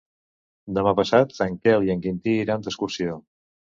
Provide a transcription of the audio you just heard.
Demà passat en Quel i en Quintí iran d'excursió.